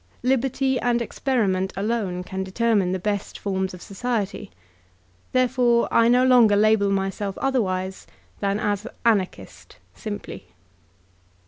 Liberty and experiment alone can determine the best forms of society. Therefore I no longer label myself otherwise than as "Anarchist simply.